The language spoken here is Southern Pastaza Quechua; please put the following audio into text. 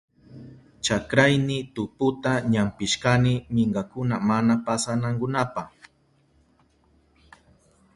Chakrayni tuputa ñampishkani minkakuna mana pasanankunapa.